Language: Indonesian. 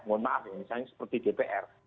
mohon maaf misalnya seperti dpr